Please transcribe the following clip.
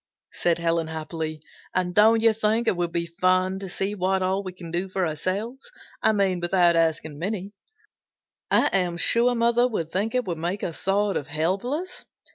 said Helen happily. "And don't you think it would be fun to see what all we can do for ourselves? I mean without asking Minnie. I am sure mother would think it would make us sort of helpless.